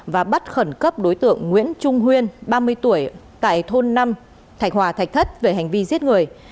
và bắt khẩn cấp đối tượng nguyễn trung huyên ba mươi tuổi tại thôn năm thạch hòa thạch thất về hành vi giết người